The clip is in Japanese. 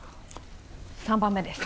３番目です。